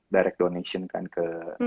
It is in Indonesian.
direct donation kan ke